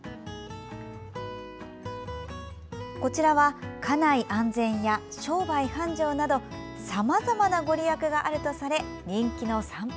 こちらは家内安全や商売繁盛などさまざまな御利益があるとされ人気の参拝